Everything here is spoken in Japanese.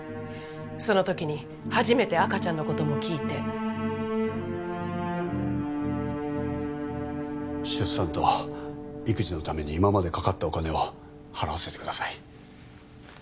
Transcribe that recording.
その時に初めて赤ちゃんのことも聞いて出産と育児のために今までかかったお金を払わせてください